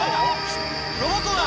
ロボットだ！